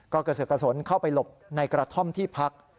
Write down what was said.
ก็กระเสือกกระสนเข้าไปหลบในกระท่อมที่พัก